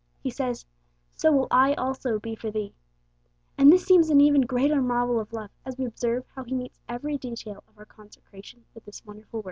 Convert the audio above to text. He says, 'So will I also be for thee!' And this seems an even greater marvel of love, as we observe how He meets every detail of our consecration with this wonderful word.